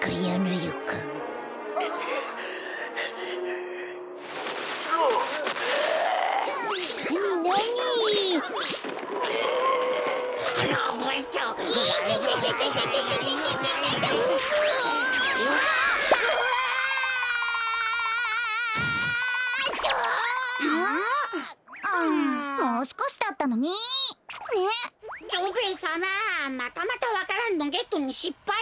またまたわか蘭のゲットにしっぱい。